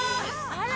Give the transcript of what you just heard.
あら！